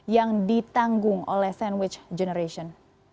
yang ditanggung oleh sandwich generation